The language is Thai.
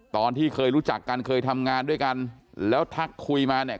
ตอนที่เคยรู้จักกันเคยทำงานด้วยกันแล้วทักคุยมาเนี่ย